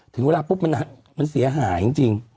ถึงเวลาปุ๊บมันเสียหายจริง